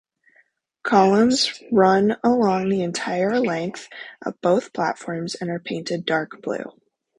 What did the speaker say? Columns run along the entire length of both platforms and are painted dark blue.